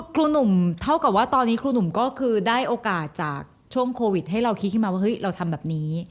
ครูหนุ่มเท่ากับว่าตอนนี้ครูหนุ่มก็คือได้โอกาสจากช่วงโควิดให้เราคิดขึ้นมาว่าเฮ้ยเราทำแบบนี้